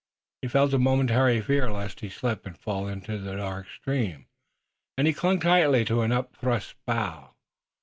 He felt a momentary fear lest he slip and fall into the dark stream, and he clung tightly to an upthrust bough.